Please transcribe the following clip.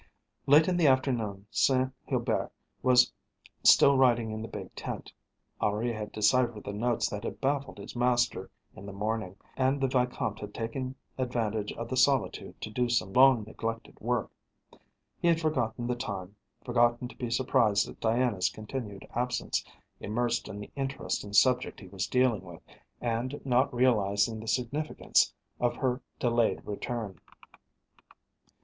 Late in the afternoon Saint Hubert was still writing in the big tent. Henri had deciphered the notes that had baffled his master in the morning, and the Vicomte had taken advantage of the solitude to do some long neglected work. He had forgotten the time, forgotten to be surprised at Diana's continued absence, immersed in the interesting subject he was dealing with, and not realising the significance of her delayed return.